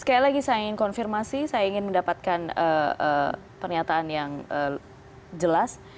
sekali lagi saya ingin konfirmasi saya ingin mendapatkan pernyataan yang jelas